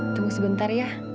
tunggu sebentar ya